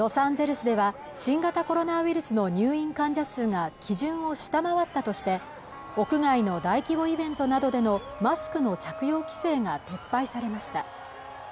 ロサンゼルスでは新型コロナウイルスの入院患者数が基準を下回ったとして屋内の大規模イベントなどでのマスクの着用規制が撤廃されました